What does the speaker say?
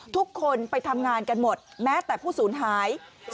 ทุกคนไปทำงานกันหมดแม้แต่ผู้สูญหาย